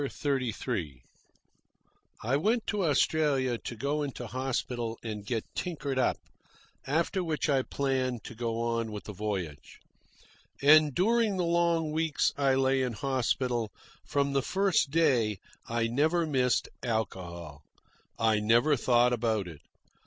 CHAPTER XXXIII I went to Australia to go into hospital and get tinkered up, after which I planned to go on with the voyage. And during the long weeks I lay in hospital, from the first day I never missed alcohol. I never thought about it.